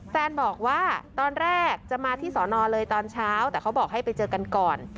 แฟนบอกว่าตอนแรกจะมาที่สอนอเลยตอนเช้าแต่เขาบอกให้ไปเจอกันก่อน